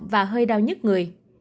và hơi đau nhất người